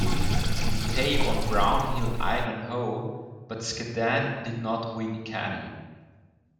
Lutey won Brownhill-Ivanhoe, but Scaddan did not win Canning.